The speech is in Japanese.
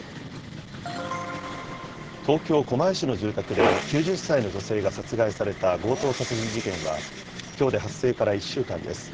東京・狛江市の住宅で９０歳の女性が殺害された強盗殺人事件は、きょうで発生から１週間です。